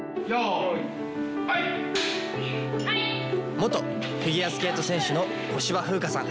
元フィギュアスケート選手の小芝風花さん。